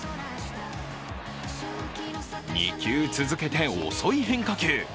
２球続けて遅い変化球。